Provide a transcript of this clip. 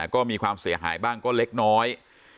ก็มีความเสียหายบ้างก็เล็กน้อย